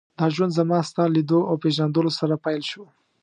دا ژوند زما ستا له لیدو او پېژندلو سره پیل شو.